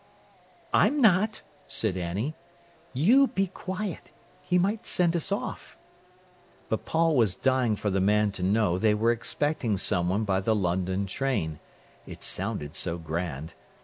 "I'm not," said Annie. "You be quiet—he might send us off." But Paul was dying for the man to know they were expecting someone by the London train: it sounded so grand.